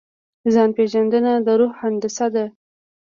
ځان پېژندنه د روح هندسه ده.